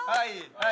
はい！